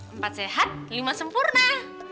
empat sehat lima sempurna